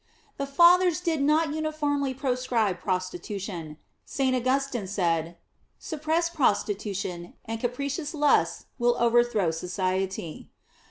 The fathers did not uniformly proscribe prostitution. Saint Augustin said, "Suppress prostitution, and capricious lusts will overthrow society."